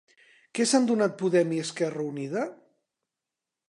Què s'han donat Podem i Esquerra Unida?